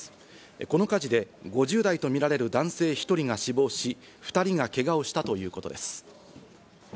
この火事で５０代とみられる男性１人が死亡し、２人がけがをしたということです。